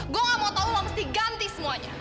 gue nggak mau tahu lo mesti ganti semuanya